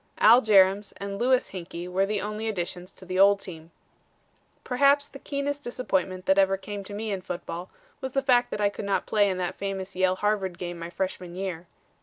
"Al Jerrems and Louis Hinkey were the only additions to the old team. "Perhaps the keenest disappointment that ever came to me in football was the fact that I could not play in that famous Yale Harvard game my freshman year.